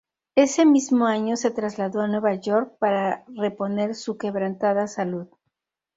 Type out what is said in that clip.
Ese mismo año se trasladó a Nueva York para reponer su quebrantada salud.